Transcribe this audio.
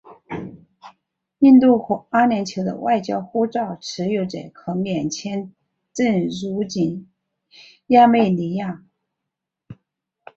印度和阿联酋的外交护照持有者可免签证入境亚美尼亚。